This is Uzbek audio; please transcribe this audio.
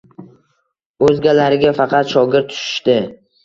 Oʻzlariga faqat shogird tutishdi.